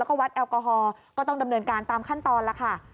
แล้วก็วัดแอลกอฮอลก็ต้องดำเนินการตามขั้นตอนแล้วค่ะ